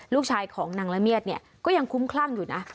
ลูกชายของนางละเมียดเนี่ยก็ยังคุ้มคลั่งอยู่นะ